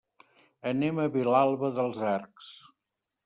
Anem a Vilalba dels Arcs.